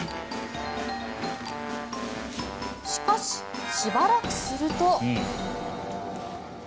しかし、しばらくすると。